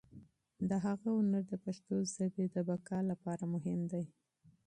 د هغه هنر د پښتو ژبې د بقا لپاره مهم دی.